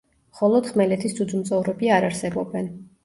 მხოლოდ ხმელეთის ძუძუმწოვრები არ არსებობენ.